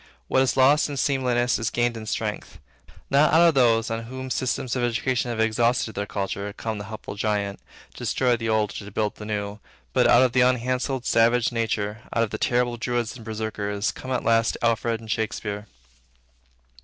What is lost in seemliness is gained in strength. Not out of those, on whom systems of education have exhausted their culture, comes the helpful giant to destroy the old or to build the new, but out of unhandselled savage nature, out of terrible Druids and Berserkirs, come at last Alfred and Shakespeare.